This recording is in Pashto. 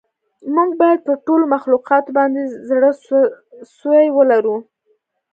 موږ باید پر ټولو مخلوقاتو باندې زړه سوی ولرو.